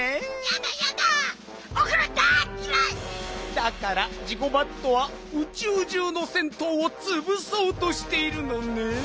だからジゴバットはうちゅうじゅうの銭湯をつぶそうとしているのねん。